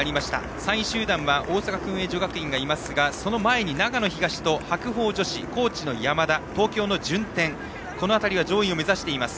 ３位集団に大阪薫英女学院がいますがその前に長野東と白鵬女子高知の山田東京の順天この辺りが上位を目指します。